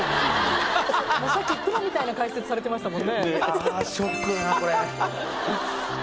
さっきプロみたいな解説されてましたもんね。